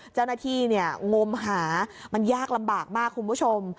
เจ้าหน้าที่งมหามันยากลำบากมากคุณผู้ชม